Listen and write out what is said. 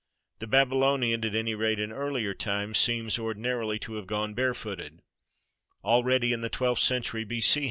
The Babylonian, at any rate in earlier times, seems ordinarily to have gone bare footed. Already in the twelfth century B.C.